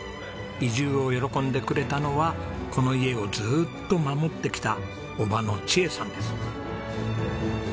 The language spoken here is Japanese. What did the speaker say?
移住を喜んでくれたのはこの家をずーっと守ってきた伯母の千枝さんです。